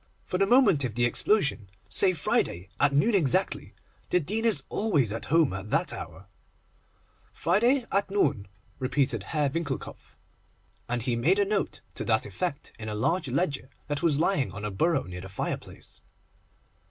For the moment of the explosion, say Friday at noon exactly. The Dean is always at home at that hour.' 'Friday, at noon,' repeated Herr Winckelkopf, and he made a note to that effect in a large ledger that was lying on a bureau near the fireplace.